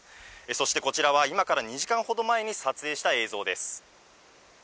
そしてこちらは、今から２時間ほど前に撮影した映像です。